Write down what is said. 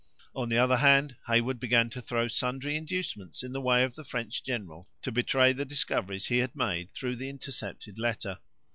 On the other hand, Heyward began to throw sundry inducements in the way of the French general, to betray the discoveries he had made through the intercepted letter.